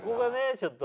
ちょっと。